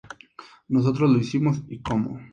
Nosotros lo hicimos, y cómo!